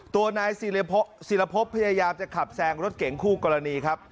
ตัวนายศิรพบพยายามจะขับแซงรถเก่งคู่กรณีครับ